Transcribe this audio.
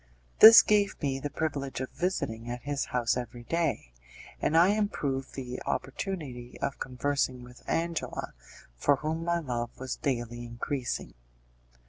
This gave me the privilege of visiting at his house every day, and I improved the opportunity of conversing with Angela, for whom my love was daily increasing.